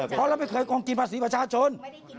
เพราะเราไม่เคยโกงกินภาษีประชาชน